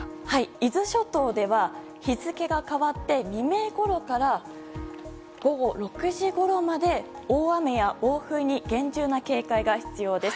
伊豆諸島では日付が変わって未明ごろから午後６時ごろまで大雨や暴風に厳重な警戒が必要です。